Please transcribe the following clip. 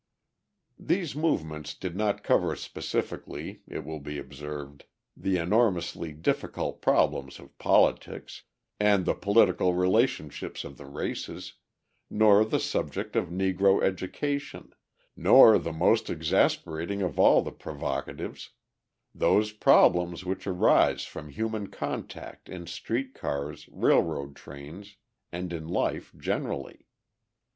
These movements did not cover specifically, it will be observed, the enormously difficult problems of politics, and the political relationships of the races, nor the subject of Negro education, nor the most exasperating of all the provocatives those problems which arise from human contact in street cars, railroad trains, and in life generally.